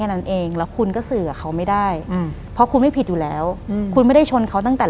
หลังจากนั้นเราไม่ได้คุยกันนะคะเดินเข้าบ้านอืม